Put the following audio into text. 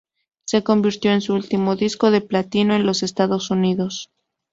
Se convirtió en su último disco de Platino en los Estados Unidos.